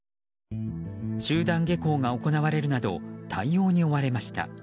集団下校が行われるなど対応に追われました。